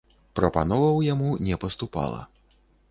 Прапановаў яму не паступала.